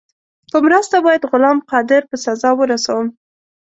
په مرسته باید غلام قادر په سزا ورسوم.